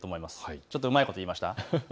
ちょっとうまいこと言いました。